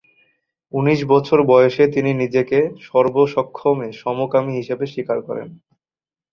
উনিশ বছর বয়সে তিনি নিজেকে সর্বসমক্ষে সমকামী হিসেবে স্বীকার করেন।